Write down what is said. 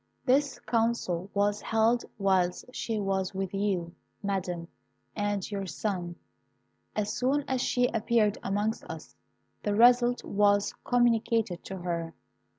"This council was held whilst she was with you, Madam, and your son. As soon as she appeared amongst us, the result was communicated to her.